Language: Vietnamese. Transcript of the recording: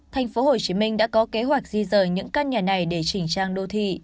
thành phố hồ chí minh đã có kế hoạch di dời những căn nhà này để chỉnh trang đô thị